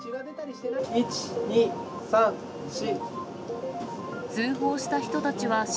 １、２、３、４。